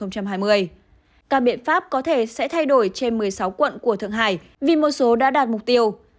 các biện pháp có thể sẽ thay đổi trên một mươi sáu quận của thượng hải vì một số đã đạt mục tiêu